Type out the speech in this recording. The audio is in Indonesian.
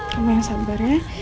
kamu yang sabarnya